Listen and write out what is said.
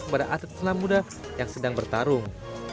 kepada atlet selam muda yang sedang bertarung